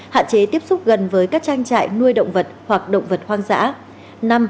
hạn chế tiếp xúc gần với các trang trại nuôi động vật hoặc động vật hoang dã